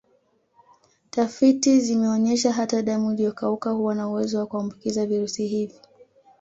Tafiti zimeonyesha hata damu iliyokauka huwa na uwezo wa kuambukiza virusi hivi